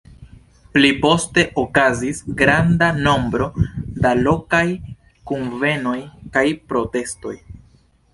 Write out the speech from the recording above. Pli poste, okazis granda nombro da lokaj kunvenoj kaj protestoj.